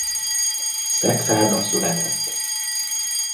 Szekszárdon született.